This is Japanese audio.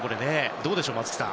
どうでしょう、松木さん。